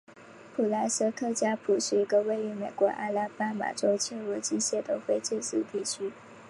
普莱森特加普是一个位于美国阿拉巴马州切罗基县的非建制地区。